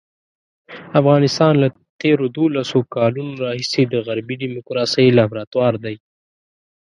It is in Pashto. افغانستان له تېرو دولسو کالو راهیسې د غربي ډیموکراسۍ لابراتوار دی.